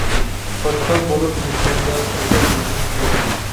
توشقان بولۇپ مۆككەندە، پۇرسەت مەندىن قايرىلدى.